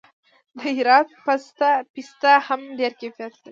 د هرات پسته هم ډیر کیفیت لري.